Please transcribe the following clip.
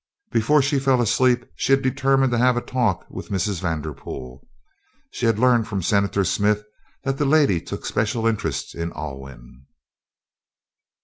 Before she fell asleep she had determined to have a talk with Mrs. Vanderpool. She had learned from Senator Smith that the lady took special interest in Alwyn.